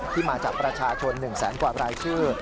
ที่มาจากประชาชน๑แสนกว่ารายชื่อ